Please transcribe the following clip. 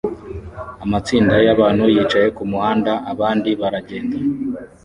Amatsinda yabantu yicaye kumuhanda abandi baragenda